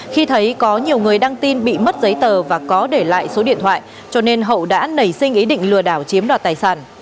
khi thấy có nhiều người đăng tin bị mất giấy tờ và có để lại số điện thoại cho nên hậu đã nảy sinh ý định lừa đảo chiếm đoạt tài sản